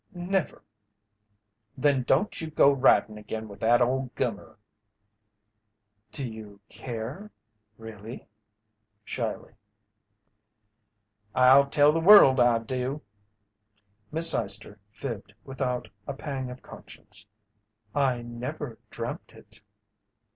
"Never." "Then don't you go ridin' again with that old gummer." "Do you care, really?" shyly. "I'll tell the world I do!" Miss Eyester fibbed without a pang of conscience: "I never dreamed it."